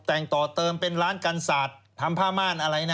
แต่งต่อเติมเป็นร้านกันศาสตร์ทำผ้าม่านอะไรนะ